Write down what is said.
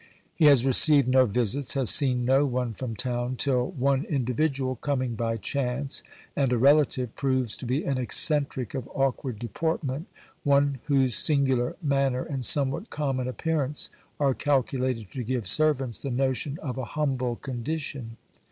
He has received no visits, has seen no one from town, till one individual, coming by chance, and a relative, proves to be an eccentric of awkward deportment, one whose singular 88 OBERMANN manner and somewhat common appearance are calculated to give servants the notion of a humble condition.